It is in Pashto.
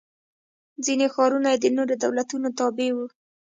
ځیني ښارونه یې د نورو دولتونو تابع و.